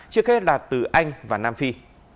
trước hết là từ anh và nam phi